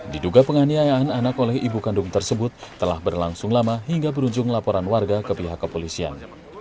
diduga penganiayaan anak oleh ibu kandung tersebut telah berlangsung lama hingga berujung laporan warga ke pihak kepolisian